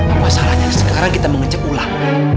apa salahnya sekarang kita mengecek ulang